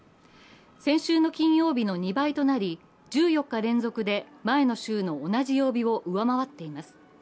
先週の金曜日の２倍となり、１４日連続で前の週の同じ曜日を上回っています。